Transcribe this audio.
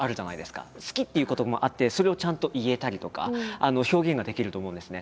「好き」っていうこともあってそれをちゃんと言えたりとか表現ができると思うんですね。